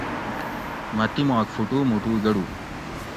مٞہ تیماک فُٹو مُٹو گٞڑو